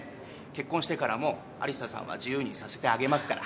結婚してからも有沙さんは自由にさせてあげますから。